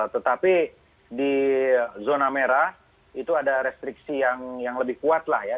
tetapi di zona merah itu ada restriksi yang lebih kuat lah ya